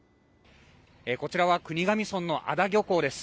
こちらは国頭村の安田漁港です。